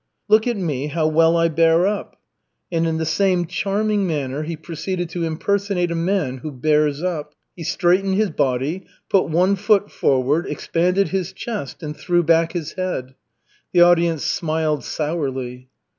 "Look at me, how well I bear up." And in the same charming manner he proceeded to impersonate a man who bears up. He straightened his body, put one foot forward, expanded his chest, and threw back his head. The audience smiled sourly.